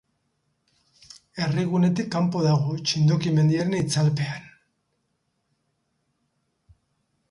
Herrigunetik kanpo dago, Txindoki mendiaren itzalpean.